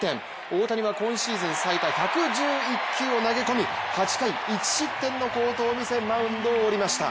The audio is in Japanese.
大谷は今シーズン最多１１１球を投げ込み８回１失点の好投を見せマウンドを降りました。